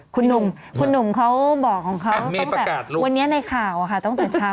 คุณหนุ่มเขาบอกวันนี้ในข่าวค่ะตั้งแต่เช้า